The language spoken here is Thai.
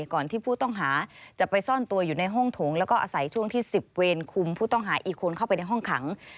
ก่อนที่ผู้ต้องหาจะไปซ่อนตัวอยู่ในห้องโถงแล้วก็อาศัยช่วงที่๑๐เวรคุมผู้ต้องหาอีกคนเข้าไปในห้องขัง